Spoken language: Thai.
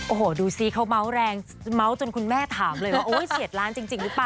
โอ้โหดูซิเขาเมาส์แรงเมาส์จนคุณแม่ถามเลยว่าเสียดล้านจริงหรือเปล่า